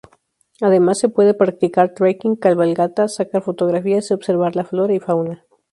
Además, se puede practicar trekking, cabalgatas, sacar fotografías y observar la flora y fauna.